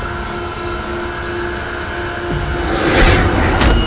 aku akan menang